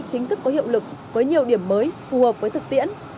chính thức có hiệu lực với nhiều điểm mới phù hợp với thực tiễn